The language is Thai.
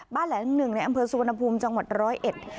แหล่งหนึ่งในอำเภอสุวรรณภูมิจังหวัดร้อยเอ็ด